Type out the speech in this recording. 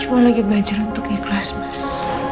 gue lagi belajar untuk ikhlas mas